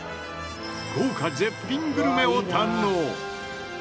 豪華絶品グルメを堪能！